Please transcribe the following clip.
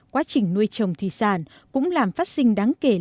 quá trình nuôi trồng thủy sản cũng làm phát sinh đáng kể